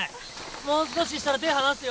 もう少ししたら手ぇ離すよ。